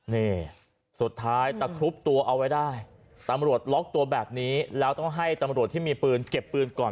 นี่สุดท้ายตะครุบตัวเอาไว้ได้ตำรวจล็อกตัวแบบนี้แล้วต้องให้ตำรวจที่มีปืนเก็บปืนก่อน